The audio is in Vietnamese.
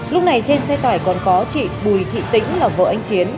lúc này trên xe tải còn có chị bùi thị tĩnh là vợ anh chiến